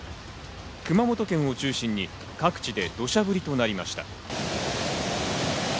熊本県を中心に各地で土砂降りとなりました。